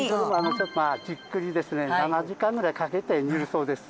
じっくりですね７時間ぐらいかけて煮るそうです。